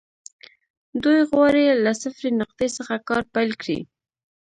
دوی غواړي له صفري نقطې څخه کار پيل کړي.